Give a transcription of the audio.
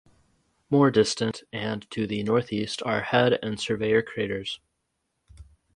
More distant and to the northeast are Head and Surveyor craters.